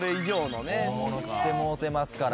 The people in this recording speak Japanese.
大物来てもうてますから。